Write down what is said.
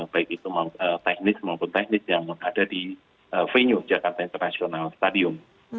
baik itu teknis maupun teknis yang ada di venue jakarta international stadium